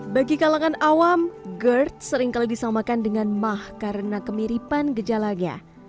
bagi kalangan awam gerd seringkali disamakan dengan mah karena kemiripan gejalanya